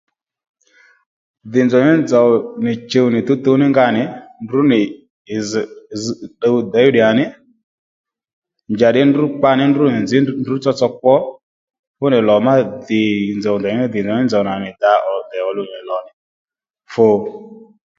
Dhì nzòw nì nzòw nì chùw nì tuwtuw ní nga nì ndrǔw nì ì zz zž ddǔw děy ddǔ à ní njà ddí ndrǔ kpa ní ndrǔ nì nzǐ ndrǔ tsotso kwo fú nì lò má dhi ndèymí dhì nzòw ní nzòw nà nì dǎ ndèy ò lu nì lò nì fu